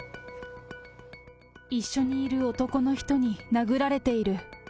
一緒にいる男の人に殴られている。